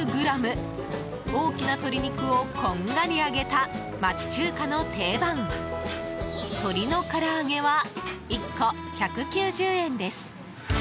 大きな鶏肉をこんがり揚げた街中華の定番、鳥の唐揚げは１個１９０円です。